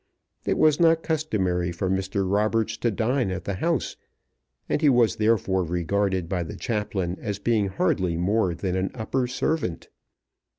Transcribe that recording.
It was not customary for Mr. Roberts to dine at the house, and he was therefore regarded by the chaplain as being hardly more than an upper servant.